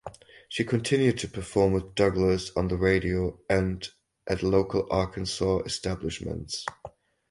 She continued to perform with Douglas on the radio and at local Arkansas establishments.